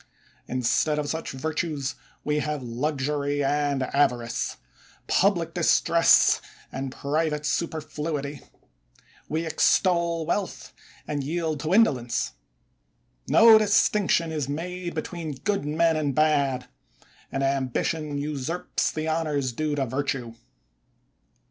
Instead of such virtues, we have luxury and avarice, public distress and private superfluity; we extol wealth, and yield to indolence ; no distinction is made between good men and bad; and ambition usurps the honors due to virtue.